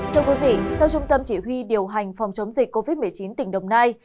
thưa quý vị theo trung tâm chỉ huy điều hành phòng chống dịch covid một mươi chín tỉnh đồng nai